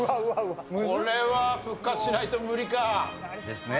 これは復活しないと無理か。ですね。